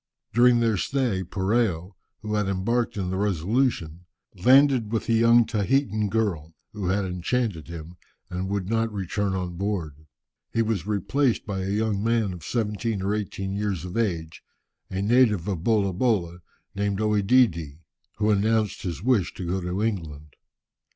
During their stay, Poreo, who had embarked in the Resolution, landed with a young Tahitan girl, who had enchanted him, and would not return on board. He was replaced by a young man of seventeen or eighteen years of age, a native of Bolabola, named OEdidi, who announced his wish to go to England.